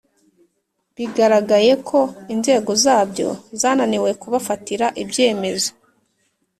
bigaragaye ko inzego zabyo zananiwe kubafatira ibyemezo